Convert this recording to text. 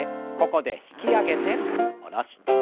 ここで引き上げて下ろして。